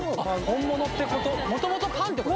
本物ってこと？